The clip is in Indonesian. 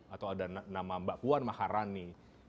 atau ada nama mbak puan maharani